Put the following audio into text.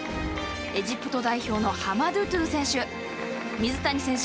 エジプト代表のハマドトゥ選手。